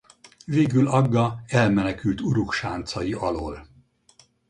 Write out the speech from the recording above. Végül Agga elmenekült Uruk sáncai alól.